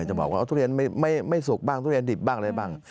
จะบอกว่าทุเรียนไม่สุกบ้างทุเรียนดิบบ้างอะไรบ้าง